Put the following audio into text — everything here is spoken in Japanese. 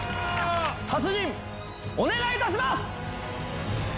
達人お願いいたします！